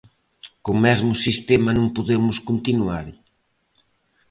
Co mesmo sistema non podemos continuar.